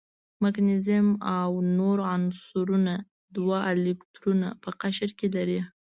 مګنیزیم او نور عنصرونه دوه الکترونه په قشر کې لري.